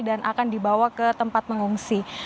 dan akan dibawa ke tempat mengungsi